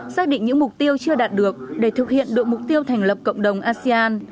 xác định những mục tiêu chưa đạt được để thực hiện được mục tiêu thành lập cộng đồng asean